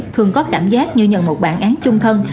thường có cảm giác như nhận một bản án chung thân